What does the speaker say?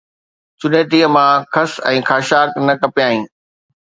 چنيٽيءَ مان خس ۽ خاشاڪ نه ڪپيائين